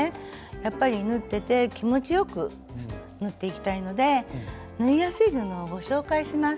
やっぱり縫ってて気持ちよく縫っていきたいので縫いやすい布をご紹介します。